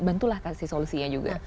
bantulah kasih solusinya juga